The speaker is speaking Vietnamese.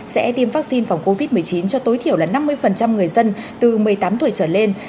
sẽ tiêm vaccine phòng covid một mươi chín cho tối thiểu là năm mươi người dân từ một mươi tám tuổi trở lên